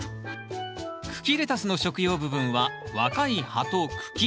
茎レタスの食用部分は若い葉と茎。